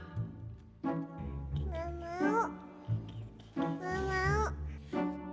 gak mau gak mau